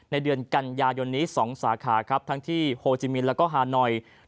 ในเดือนกันยายนนี้๒สาขาครับทั้งที่โฮจิมินแล้วก็ฮานอย